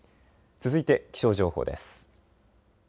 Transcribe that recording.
続いて気象情報です。